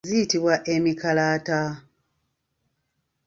Ziyitibwa emikalaata.